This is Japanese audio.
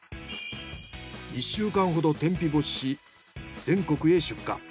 １週間ほど天日干しし全国へ出荷。